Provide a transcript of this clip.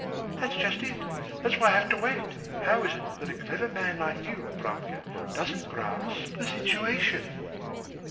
"That's just it. That is why I have to wait. How is it that a clever man like you, Abramka, doesn't grasp the situation?"